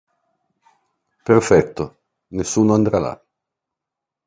Perfetto, nessuno andrà là.